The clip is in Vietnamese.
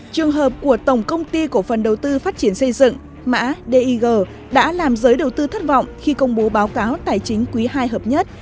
trường hợp của tổng công ty cổ phần đầu tư phát triển xây dựng mã dig đã làm giới đầu tư thất vọng khi công bố báo cáo tài chính quý ii hợp nhất